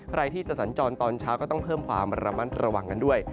ใครที่จะสัญจรตอนเช้าก็ต้องเพิ่มความระมัดระวังกันด้วย